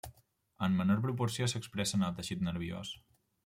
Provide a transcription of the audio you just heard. En menor proporció s'expressa en el teixit nerviós.